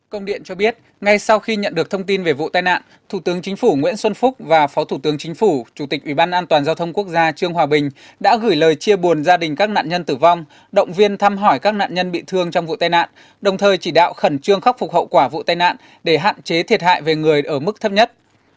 công điện cho biết ngay sau khi nhận được thông tin về vụ tai nạn thủ tướng chính phủ nguyễn xuân phúc và phó thủ tướng chính phủ chủ tịch ủy ban an toàn giao thông quốc gia trương hòa bình đã gửi lời chia buồn gia đình các nạn nhân tử vong động viên thăm hỏi các nạn nhân bị thương trong vụ tai nạn đồng thời chỉ đạo khẩn trương khắc phục hậu quả vụ tai nạn để hạn chế thiệt hại về người ở mức thấp nhất